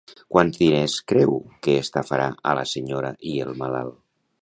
Quants diners creu que estafarà a la senyora i el malalt?